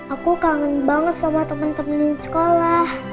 aku kangen banget sama temen temen di sekolah